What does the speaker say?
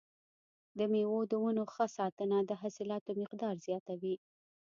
د مېوو د ونو ښه ساتنه د حاصلاتو مقدار زیاتوي.